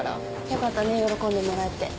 よかったね喜んでもらえて。